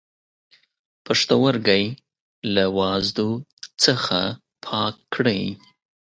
پښتورګی له وازدو څخه پاک کړئ.